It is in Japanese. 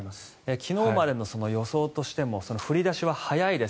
昨日までの予想としても降り出しは早いです。